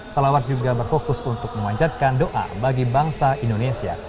salawat juga berfokus untuk memanjatkan doa bagi bangsa indonesia